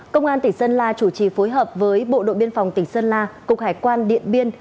công an tỉnh sơn la chủ trì phối hợp với bộ đội biên phòng tỉnh sơn la cục hải quan điện biên